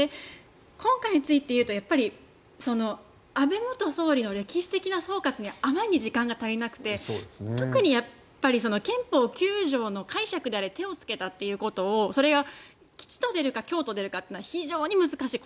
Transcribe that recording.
今回についていうと安倍元総理の歴史的な総括にあまりに時間が足りなくて特にやっぱり憲法９条の解釈であれ手をつけたということそれを吉と出るか凶と出るかは非常に難しい。